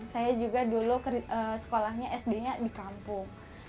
saya juga dulu sekolahnya sdnya di kampung